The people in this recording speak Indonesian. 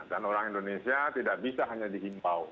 dan orang indonesia tidak bisa hanya dihimpau